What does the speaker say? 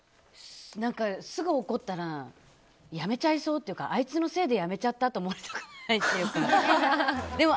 すぐ怒ったらやめちゃいそうっていうかあいつのせいで辞めちゃったって思われたくないっていうか。